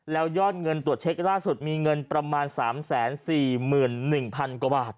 แล้วยอดเงินตรวจเช็คล่าสุดมีเงินประมาณ๓๔๑๐๐๐กว่าบาท